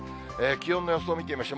気温の予想を見てみましょう。